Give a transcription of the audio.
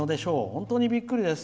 本当にびっくりです。